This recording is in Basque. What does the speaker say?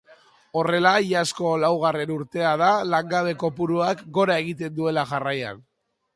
Horrela, iazkoa laugarren urtea da langabe kopuruak gora egiten duela jarraian.